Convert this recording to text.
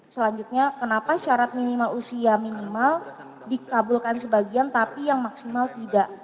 selanjutnya kenapa syarat minimal usia minimal dikabulkan sebagian tapi yang maksimal tidak